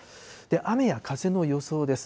雨や風の予想です。